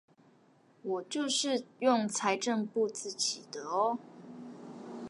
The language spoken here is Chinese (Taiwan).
我就是用財政部自己的唷